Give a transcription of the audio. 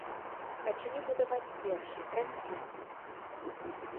Пачалі будаваць першы, транзітны.